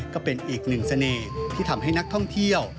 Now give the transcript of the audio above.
ก็เป็นอีกหนึ่งเสน่ห์ที่ทำให้นักท่องเที่ยว